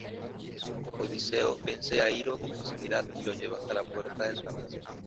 Odiseo vence a Iro con facilidad y lo lleva hasta la puerta del palacio.